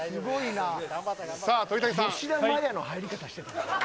吉田麻也の入り方してた。